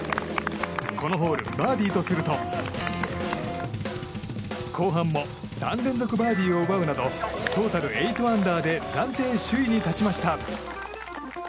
このホールバーディーとすると後半も３連続バーディーを奪うなどトータル８アンダーで暫定首位に立ちました。